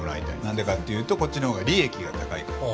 なんでかっていうとこっちのほうが利益が高いから。